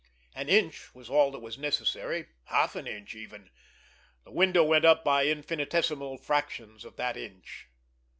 An inch was all that was necessary, half an inch even. The window went up by infinitesimal fractions of that inch.